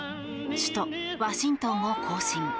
首都ワシントンを行進。